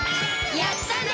やったね！